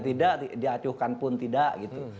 tidak diacuhkan pun tidak gitu